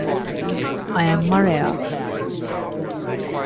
I Am Mariah...